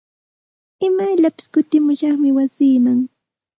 Imayllapis kutimushaqmi wasiiman.